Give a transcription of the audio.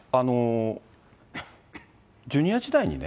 ジュニア時代にね、